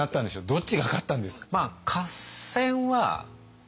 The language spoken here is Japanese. どっちが勝ったんですか？